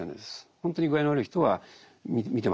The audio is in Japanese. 本当に具合の悪い人は見てませんと。